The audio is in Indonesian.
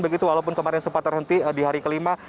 begitu walaupun kemarin sempat terhenti di hari kelima